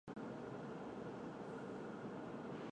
亲潮丰富的养分使得其经过的水域成为富裕的渔场。